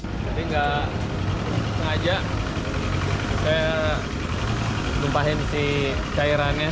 jadi nggak sengaja saya lumpahin si cairannya